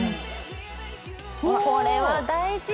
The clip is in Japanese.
これは大事！